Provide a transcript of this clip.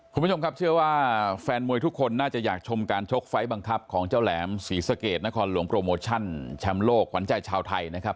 คุณผู้ชมครับเชื่อว่าแฟนมวยทุกคนน่าจะอยากชมการชกไฟล์บังคับของเจ้าแหลมศรีสะเกดนครหลวงโปรโมชั่นแชมป์โลกขวัญใจชาวไทยนะครับ